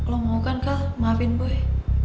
lo mau kan kal maafin boy